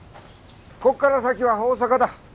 ここから先は大阪だ。